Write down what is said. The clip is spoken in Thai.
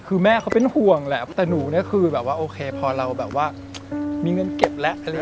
คือแม่เขาเป็นห่วงแหละแต่หนูเนี่ยคือแบบว่าโอเคพอเรามีเงินเก็บแล้ว